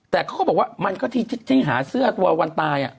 แต่เขาก็บอกว่ามันก็ที่หาเสื้อตัววันตาย